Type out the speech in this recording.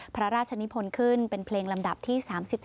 พระราชนิพลขึ้นเป็นเพลงลำดับที่๓๒